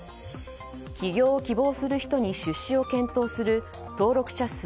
起業を希望する人に出資を検討する登録者数